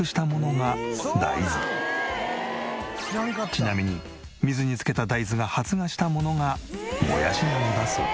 ちなみに水に漬けた大豆が発芽したものがもやしなのだそう。